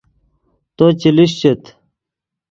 تو چے لیشچیت